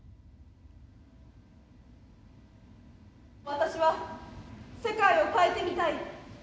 私は世界を変えてみたい。